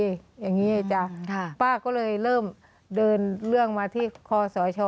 อย่างนี้จ้ะป้าก็เลยเริ่มเดินเรื่องมาที่คอสช